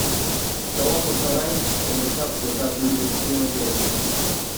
Galatasaray won the cup without losing a single game.